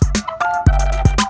kau mau kemana